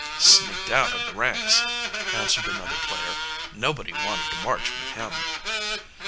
"Sneaked out of the ranks," answered another player. "Nobody wanted to march with him."